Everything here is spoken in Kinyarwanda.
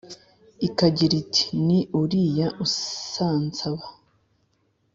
ikagira iti: ‘ni uriya usansaba’,